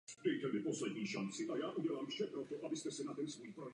Správním městem okresu je Boulder.